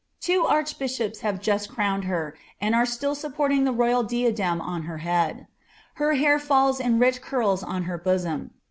Two archbishojM have just .' iiL d her, and are still svpporiing the royal diadem on her head. hiur fulls in rich curls on her bosom.